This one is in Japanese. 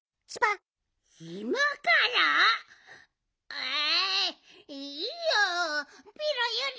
えいいよ。ピロより。